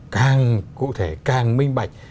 càng cụ thể càng minh bạch